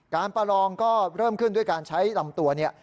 ประลองก็เริ่มขึ้นด้วยการใช้ลำตัวเนี่ย